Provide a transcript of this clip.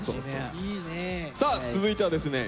さあ続いてはですね